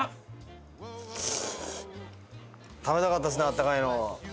食べたかったですねあったかいの。